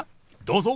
どうぞ。